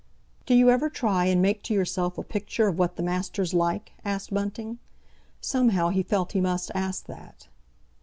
"Do you ever try and make to yourself a picture of what the master's like?" asked Bunting. Somehow, he felt he must ask that.